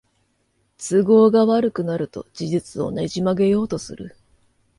都合が悪くなると事実をねじ曲げようとする